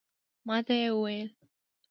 ماته یې وویل